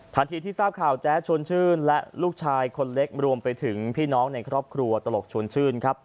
ที่ทราบข่าวแจ๊ดชวนชื่นและลูกชายคนเล็กรวมไปถึงพี่น้องในครอบครัวตลกชวนชื่นครับ